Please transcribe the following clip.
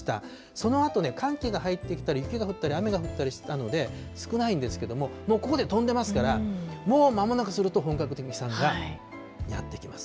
そのあと寒気が入ってきたり、雪が降ったり雨が降ったりしてたので、少ないんですけども、もうここで飛んでますから、もう間もなくすると本格的な飛散がやって来ます。